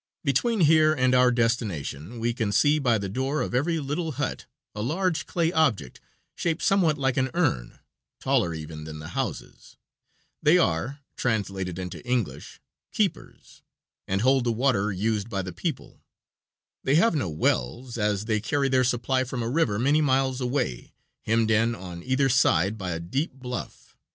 Between here and our destination we can see by the door of every little hut a large clay object shaped somewhat like an urn, taller even than the houses; they are, translated into English, "Keepers," and hold the water used by the people; they have no wells, as they carry their supply from a river many miles away, hemmed in on either side by a deep bluff.